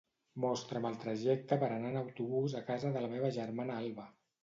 Mostra'm el trajecte per anar en autobús a casa de la meva germana Alba.